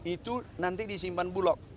itu nanti disimpan bulok